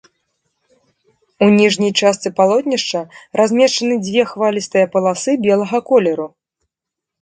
У ніжняй частцы палотнішча размешчаны дзве хвалістыя паласы белага колеру.